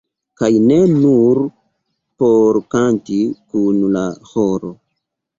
Kaj ne nur por kanti kun la ĥoro.